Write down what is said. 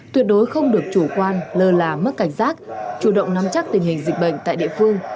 tuyệt đối không được chủ quan lơ là mất cảnh giác chủ động nắm chắc tình hình dịch bệnh tại địa phương